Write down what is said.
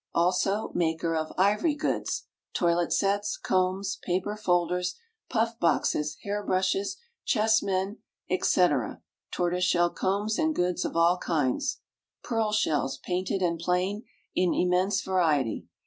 ALSO, MAKER OF IVORY GOODS. Toilet Sets, Combs, Paper folders, Puff boxes, Hair Brushes, Chessmen, &c. Tortoise shell Combs and Goods of all kinds. PEARL SHELLS, painted and plain, in immense variety.